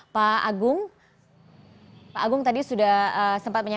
sampai jumpa di video selanjutnya